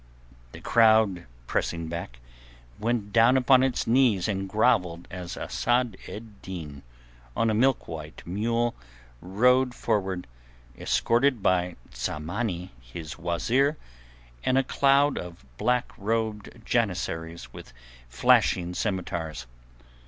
The crowd, pressing back, went down upon its knees and grovelled as Asad ed Din on a milk white mule rode forward, escorted by Tsamanni his wazeer and a cloud of black robed janissaries with flashing scimitars.